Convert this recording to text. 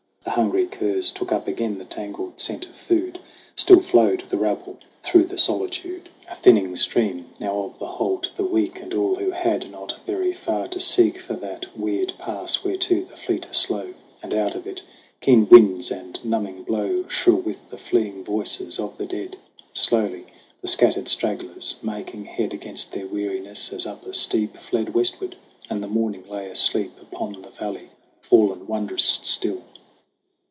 The hungry curs Took up again the tangled scent of food. Still flowed the rabble through the solitude 78 SONG OF HUGH GLASS A thinning stream now of the halt, the weak And all who had not very far to seek For that weird pass whereto the fleet are slow, And out of it keen winds and numbing blow, Shrill with the fleeing voices of the dead. Slowly the scattered stragglers, making head Against their weariness as up a steep, Fled westward ; and the morning lay asleep Upon the valley fallen wondrous still.